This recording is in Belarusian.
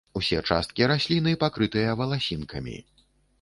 Усе часткі расліны пакрытыя валасінкамі.